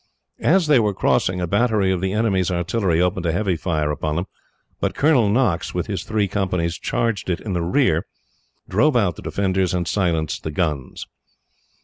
As they were crossing, a battery of the enemy's artillery opened a heavy fire upon them; but Colonel Knox, with his three companies, charged it in the rear, drove out the defenders, and silenced the guns.